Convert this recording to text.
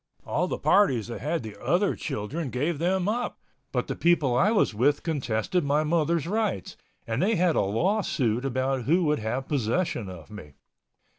All the parties that had the other children gave them up, but the people I was with contested my mother's rights, and they had a law suit about who would have possession of me.